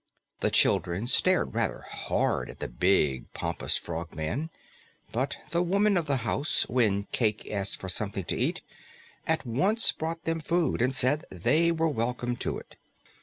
The children stared rather hard at the big, pompous Frogman, but the woman of the house, when Cayke asked for something to eat, at once brought them food and said they were welcome to it.